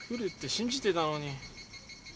信じてたのに。